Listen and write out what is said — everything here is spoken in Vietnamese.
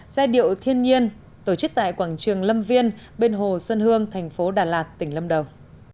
giai điệu thiên nhiên tổ chức tại quảng trường lâm viên bên hồ sơn hương tp đà lạt tỉnh lâm đồng